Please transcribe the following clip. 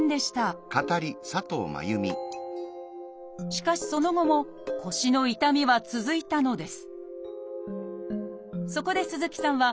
しかしその後も腰の痛みは続いたのです。